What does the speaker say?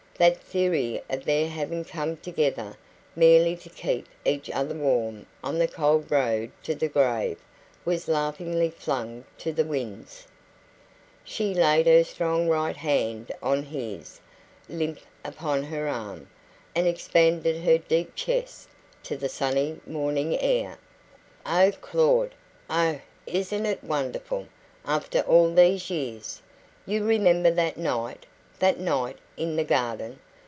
That theory of their having come together merely to keep each other warm on the cold road to the grave was laughingly flung to the winds. She laid her strong right hand on his, limp upon her arm, and expanded her deep chest to the sunny morning air. "Oh, Claud! Oh, isn't it wonderful, after all these years! You remember that night that night in the garden?